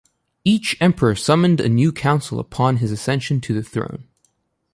Each emperor summoned a new Council upon his accession to the throne.